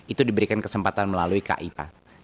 itu diberikan kesempatan melalui kipa